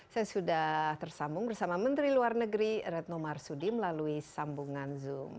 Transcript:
saya sudah tersambung bersama menteri luar negeri retno marsudi melalui sambungan zoom